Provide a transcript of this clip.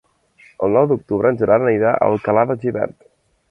El nou d'octubre en Gerard anirà a Alcalà de Xivert.